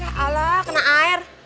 ya allah kena air